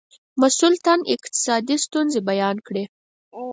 مسئول تن اقتصادي ستونزې بیان کړې.